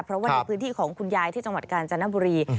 เพราะว่าในพื้นที่ของคุณยายที่จังหวัดกาญจนบุรี